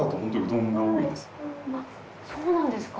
あっそうなんですか。